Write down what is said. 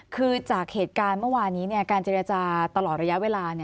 คือจากเหตุการณ์เมื่อวานนี้การเจรจาตลอดระยะเวลา